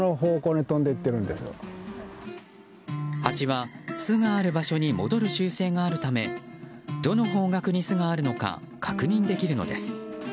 ハチは巣がある場所に戻る習性があるためどの方角に巣があるのか確認できるのです。